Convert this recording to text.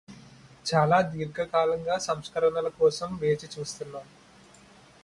చాలా దీర్ఘకాలంగా సంస్కరణల కోసం వేచి చూస్తున్నాం